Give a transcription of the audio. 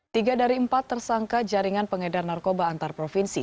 tiga dari empat tersangka jaringan pengedar narkoba antar provinsi